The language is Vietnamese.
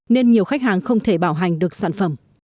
nên nhiều khách hàng không thể bảo hành được sản phẩm